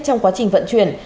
trong quá trình vận chuyển